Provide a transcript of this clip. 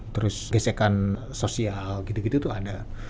terus gesekan sosial gitu gitu tuh ada